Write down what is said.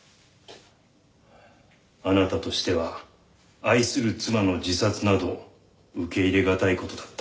あなたとしては愛する妻の自殺など受け入れがたい事だった。